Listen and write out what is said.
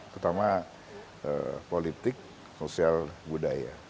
terutama politik sosial budaya